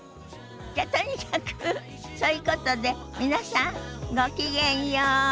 じゃとにかくそういうことで皆さんごきげんよう。